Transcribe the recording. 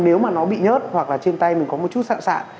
nếu mà nó bị nhớt hoặc là trên tay mình có một chút sạng sạng